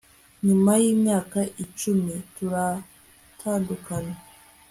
nyuma yimyaka icumi turatandukana